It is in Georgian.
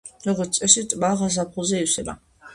როგორც წესი ტბა გაზაფხულზე ივსება.